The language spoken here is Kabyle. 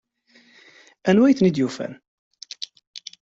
Anwa ay ten-id-yufan?